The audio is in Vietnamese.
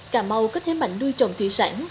cà mau có thế mạnh nuôi trồng thủy sản